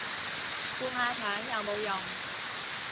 灌下腸有冇用